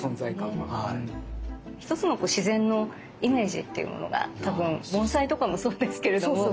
一つの自然のイメージっていうものが多分盆栽とかもそうですけれども。